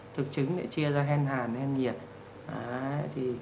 thực chứng lại chia ra hen hàn hen nhiệt